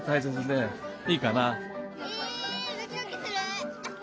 えドキドキする。